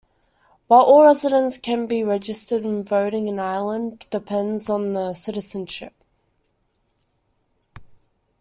While all residents can be registered voting in Ireland depends on citizenship.